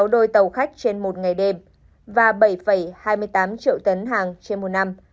sáu đôi tàu khách trên một ngày đêm và bảy hai mươi tám triệu tấn hàng trên một năm